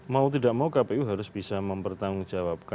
mau tidak mau kpu harus bisa mempertanggungjawabkan